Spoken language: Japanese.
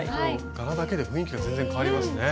柄だけで雰囲気が全然変わりますね。